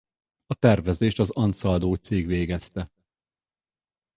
A tervezést az Ansaldo cég végezte.